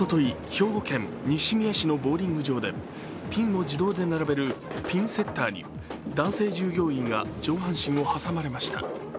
兵庫県西宮市のボウリング場でピンを自動で並べるピンセッターに男性従業員が上半身を挟まれました。